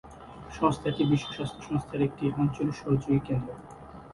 সংস্থাটি বিশ্ব স্বাস্থ্য সংস্থার একটি আঞ্চলিক সহযোগী কেন্দ্র।